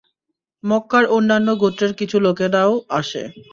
মক্কার অন্যান্য গোত্রের কিছু লোকেরাও আসে।